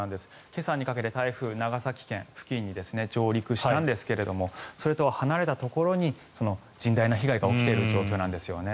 今朝にかけて、台風は長崎県付近に上陸したんですがそれとは離れたところに甚大な被害が起きている状況なんですよね。